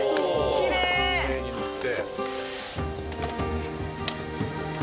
きれいに塗って。